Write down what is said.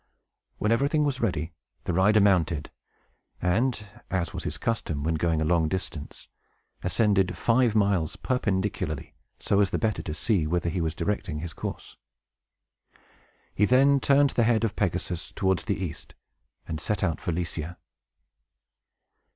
When everything was ready, the rider mounted, and (as was his custom, when going a long distance) ascended five miles perpendicularly, so as the better to see whither he was directing his course. He then turned the head of Pegasus towards the east, and set out for Lycia.